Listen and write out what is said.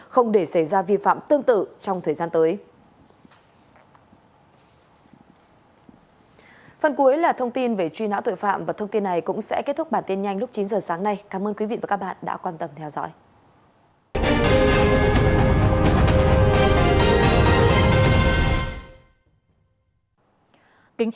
không để xảy ra vi phạm tương tự trong thời gian tới